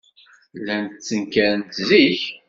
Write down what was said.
Llant ttenkarent zik.